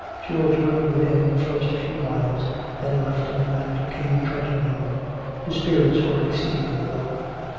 George rode with him the first few miles, then left him and came trudging home. His spirits were exceedingly low.